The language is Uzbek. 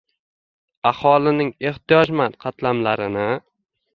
aholining ehtiyojmand qatlamlarini